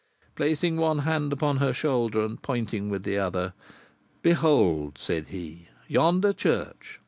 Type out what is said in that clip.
Placing one hand upon her shoulder, and pointing with the other, "Behold," said he, "yonder church?